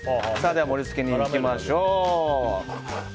盛り付けにいきましょう。